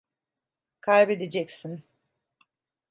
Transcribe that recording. Kaybedeceksin.